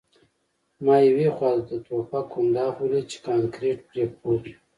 ما یوې خواته د ټوپک کنداغ ولید چې کانکریټ پرې پروت و